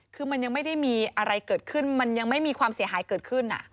คือมันยังไม่ได้มีอะไรเกิดขึ้นมันยังไม่มีความเสียหายเกิดขึ้น